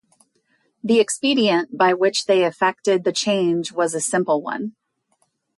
The expedient by which they effected the change was a simple one.